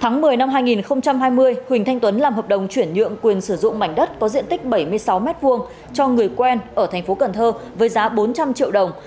tháng một mươi năm hai nghìn hai mươi huỳnh thanh tuấn làm hợp đồng chuyển nhượng quyền sử dụng mảnh đất có diện tích bảy mươi sáu m hai cho người quen ở thành phố cần thơ với giá bốn trăm linh triệu đồng